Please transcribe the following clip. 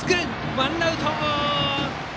ワンアウト。